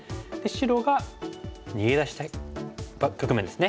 白が逃げ出した局面ですね。